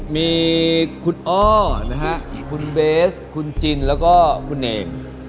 มีคุณอ้อนะฮะคุณเบสคุณจินแล้วก็คุณเอก